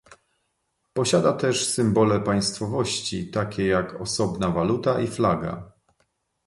Posiada też symbole państwowości, takie jak osobna waluta i flaga